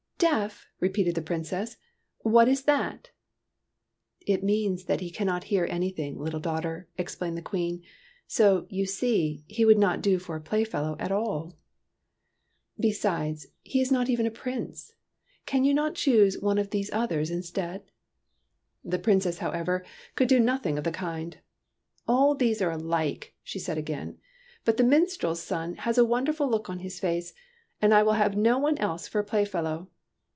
'' Deaf !" repeated the Princess. " What is that?" " It means that he cannot hear anything, little daughter," explained the Queen ;" so, you see, he would not do for a playfellow at all. io8 TEARS OF PRINCESS PRUNELLA Besides, he is not even a Prince. Can you not choose one of these others instead?" The Princess, however, could do nothing of the kind. '' All these are alike," she said again ;'' but the minstrel's son has a wonderful look on his face, and I will have no one else for a playfellow